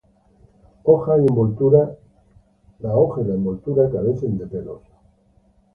Hoja y envoltura carecen de pelos.